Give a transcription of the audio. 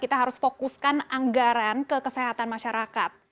kita harus fokuskan anggaran ke kesehatan masyarakat